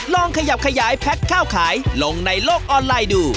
ลองขยับขยายแพ็คข้าวขายลงในโลกออนไลน์ดู